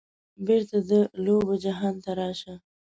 بیرته د لوبو جهان ته راشه